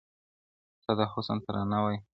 ستا د حسن ترانه وای؛